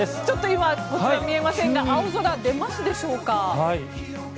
ちょっと今こちら見えませんが青空、出ますでしょうか？